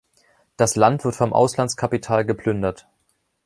Das Land wird vom Auslandskapital geplündert.